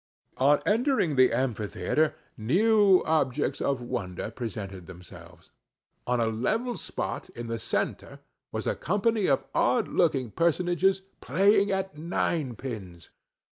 On entering the amphitheatre, new objects of wonder presented themselves. On a level spot in the centre was a company of odd looking personages playing at nine pins.